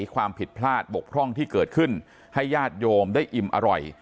ความผิดพลาดบกพร่องที่เกิดขึ้นให้ญาติโยมได้อิ่มอร่อย